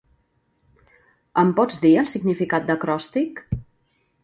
Em pots dir el significat d'acròstic?